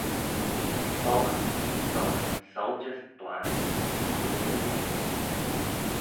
Sollan, sollan saljys blass dy chooilley vee.